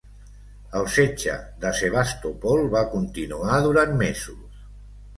El setge de Sebastòpol va continuar durant mesos.